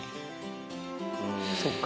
そっか